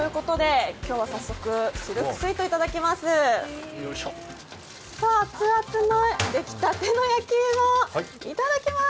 今日は早速、シルクスイートを頂きます。